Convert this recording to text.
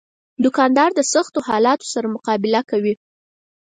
دوکاندار د سختو حالاتو سره مقابله کوي.